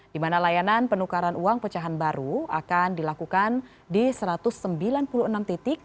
di mana layanan penukaran uang pecahan baru akan dilakukan di satu ratus sembilan puluh enam titik